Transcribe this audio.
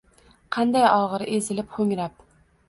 Qanday ogʼir – ezilib, hoʼngrab